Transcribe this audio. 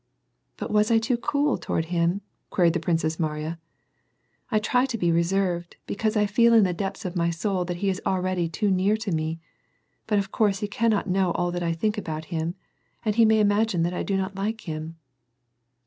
" But was 1 too cool toward him ?" queried the Princess Mariya. " I try to be reserved, because I feel in the depths of my soul that he is alreatly too near to me ; but of course, he cannot know all that I think about him, and he may imagine that I do not like him."